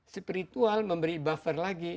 spiritual memberi buffer lagi